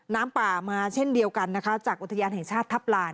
น้ำป่ามาเช่นเดียวกันนะคะจากอุทยานแห่งชาติทัพลาน